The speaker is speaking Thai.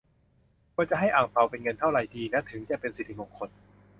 ควรจะให้อั่งเปาเป็นเงินเท่าไรดีนะถึงจะเป็นสิริมงคล